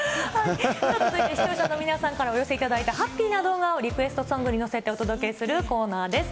続いて視聴者の皆さんからお寄せいただいたハッピーな動画を、リクエストソングに乗せてお届けするコーナーです。